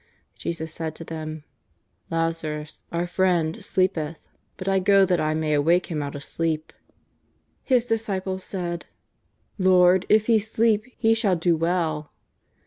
" Jesus said to them :" Lazarus, our friend, sleepeth, but I go that I may awake him out of sleep." His disciples said :" Lord, if he sleep he shall do well.''